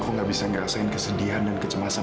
aku gak bisa ngerasain kesedihan dan kecemasan